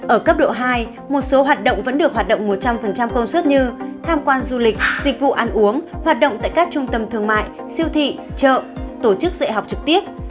ở cấp độ hai một số hoạt động vẫn được hoạt động một trăm linh công suất như tham quan du lịch dịch vụ ăn uống hoạt động tại các trung tâm thương mại siêu thị chợ tổ chức dạy học trực tiếp